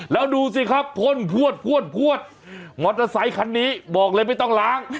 แล้วดูสิครับพ่นพวดพวดพวดมอเตอร์ไซคันนี้บอกเลยไม่ต้องล้าง